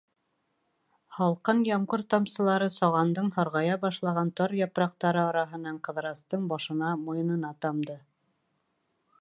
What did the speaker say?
Һалҡын ямғыр тамсылары сағандың һарғая башлаған тар япраҡтары араһынан Ҡыҙырастың башына, муйынына тамды.